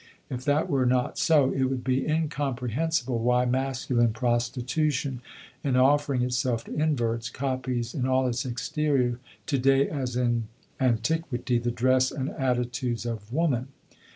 If that were not so it would be incomprehensible why masculine prostitution, in offering itself to inverts, copies in all its exterior, to day as in antiquity, the dress and attitudes of woman.